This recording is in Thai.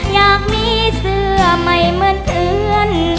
อยากมีเสื้อใหม่เหมือนเพื่อน